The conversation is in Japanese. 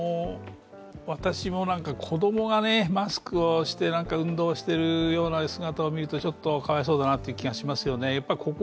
私も子供がマスクをして運動しているような姿を見るとちょっとかわいそうだなという気がしますよね。